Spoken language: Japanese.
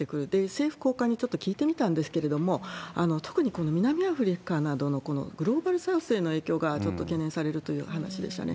政府高官にちょっと聞いてみたんですけれども、特にこの南アフリカなどのグローバルサウスへの影響がちょっと懸念されるという話でしたね。